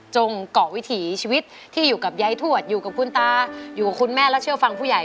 เกาะวิถีชีวิตที่อยู่กับยายทวดอยู่กับคุณตาอยู่กับคุณแม่แล้วเชื่อฟังผู้ใหญ่